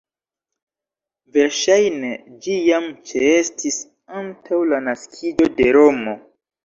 Verŝajne ĝi jam ĉeestis antaŭ la naskiĝo de Romo.